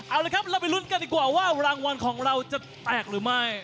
เอาละครับเราไปลุ้นกันดีกว่าว่ารางวัลของเราจะแตกหรือไม่